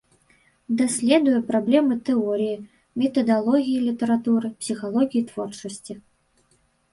Даследуе праблемы тэорыі, метадалогіі літаратуры, псіхалогіі творчасці.